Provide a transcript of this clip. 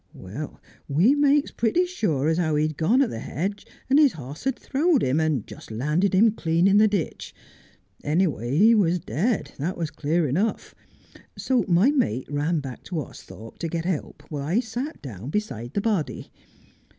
Well, we makes pretty sure as how he'd gone at the hedge and his hoss had throw'd him, and just landed him clean in the ditch. Anyway, he was dead, that was clear enough ; so my mate ran back to Austhorpe to get help while I sat down beside the body.